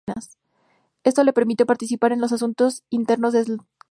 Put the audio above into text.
Esto le permitió participar en los asuntos internos de Escandinavia.